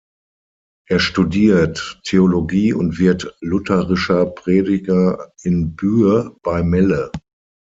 Er studiert Theologie und wird lutherischer Prediger in Buer bei Melle.